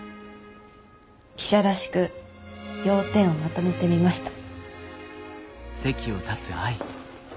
記者らしく要点をまとめてみました。